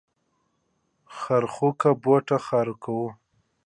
څرخکو بوته څرخکو.